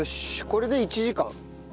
これで１時間。